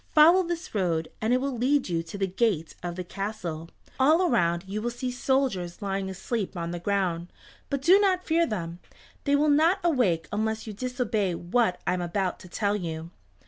Follow this road, and it will lead you to the gate of the castle. All around you will see soldiers lying asleep on the ground, but do not fear them. They will not awake unless you disobey what I am about to tell you."